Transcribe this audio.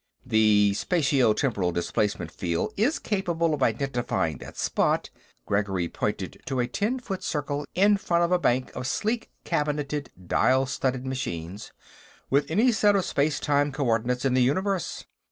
"The spatio temporal displacement field is capable of identifying that spot " Gregory pointed to a ten foot circle in front of a bank of sleek cabineted, dial studded machines " with any set of space time coordinates in the universe.